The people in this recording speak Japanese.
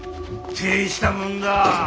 大したもんだ。